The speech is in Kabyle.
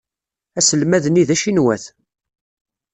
Aselmad-nni d acinwat.